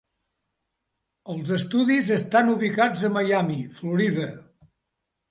Els estudis estan ubicats a Miami, Florida.